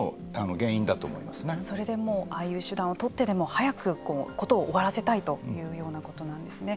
それでああいう手段を取ってでも早く事を終わらせたいというようなことなんですね。